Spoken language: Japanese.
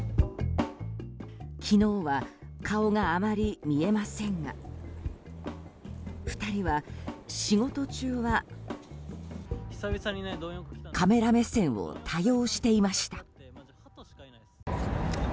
昨日は顔があまり見えませんが２人は、仕事中はカメラ目線を多用していました。